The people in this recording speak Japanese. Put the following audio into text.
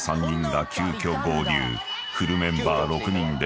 ［フルメンバー６人で］